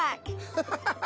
ハハハハ！